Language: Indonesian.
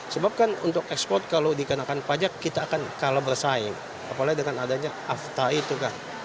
sebab kan untuk ekspor kalau dikenakan pajak kita akan kalah bersaing apalagi dengan adanya afta itu kan